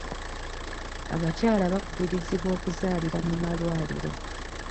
Abakyala bakubirizibwa okuzaalira mu malwaliro.